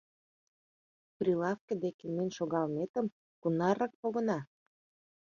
— Прилавке деке миен шогалметым, кунаррак погына».